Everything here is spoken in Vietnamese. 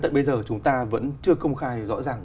tại bây giờ chúng ta vẫn chưa công khai rõ ràng